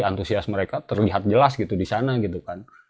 antusias mereka terlihat jelas gitu di sana gitu kan